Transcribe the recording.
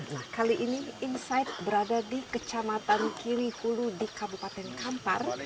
nah kali ini insight berada di kecamatan kiri hulu di kabupaten kampar